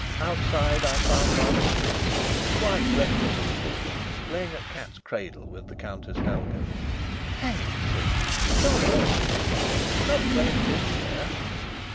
Outside I found Master Fritz, quite reckless of the footmen, playing at cat's cradle with the Countess Helga. "Hang it!" said he, "we can't always be plotting. Love claims his share."